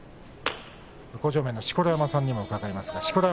向正面の錣山さんにも伺います。